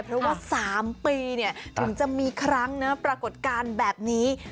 เพราะว่า๓ปีถึงจะมีครั้งนะปรากฏการณ์แบบนี้